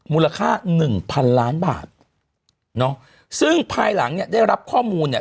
มูลค่าหนึ่งพันล้านบาทเนอะซึ่งภายหลังเนี่ยได้รับข้อมูลเนี่ย